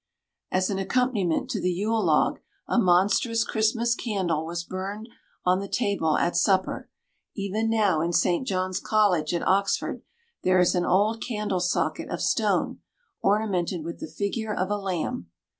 As an accompaniment to the Yule log, a monstrous Christmas candle was burned on the table at supper; even now in St. John's College at Oxford, there is an old candle socket of stone, ornamented with the figure of a lamb.